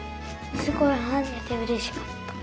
すごいはねてうれしかった。